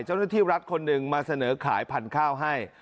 เจ้าหน้าที่รัฐคนหนึ่งมาเสนอขายพันธุ์ข้าวให้